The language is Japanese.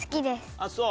あっそう。